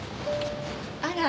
あら？